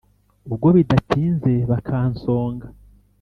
ubwo bidatinze bakansonga